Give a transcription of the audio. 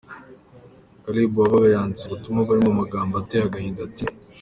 Caleb Uwagaba yanditse ubutumwa burimo amagambo ateye agahinda, ati: